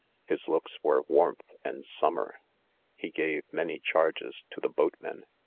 His loofes , wer e>warmth and summer. He gave many charges;. to the : boat men.